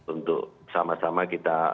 untuk sama sama kita